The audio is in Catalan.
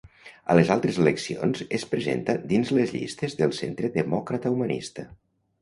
A les altres eleccions es presenta dins les llistes del Centre Demòcrata Humanista.